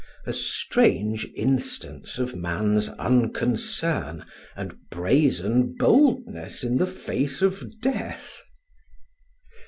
A strange instance of man's unconcern and brazen boldness in the face of death!